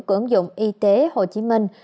của ứng dụng y tế hồ chí minh